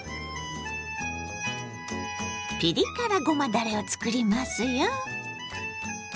ピリ辛ごまだれを作りますよ。